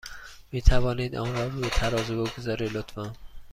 می توانید آن را روی ترازو بگذارید، لطفا؟